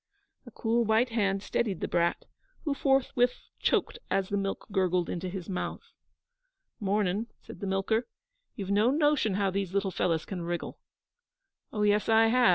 A cool white hand steadied the brat, who forthwith choked as the milk gurgled into his mouth. 'Mornin',' said the milker. 'You've no notion how these little fellows can wriggle.' 'Oh, yes, I have.'